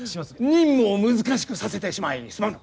任務を難しくさせてしまいすまぬ！